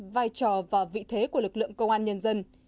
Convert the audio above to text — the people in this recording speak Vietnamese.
vai trò và vị thế của lực lượng công an nhân dân